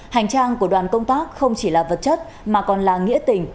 hành trang của đoàn công tác không chỉ là vật chất mà còn là nghĩa tình